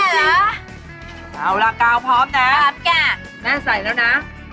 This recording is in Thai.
เอาล่ะกาวพร้อมนะพร้อมจ้ะแม่ใส่แล้วนะ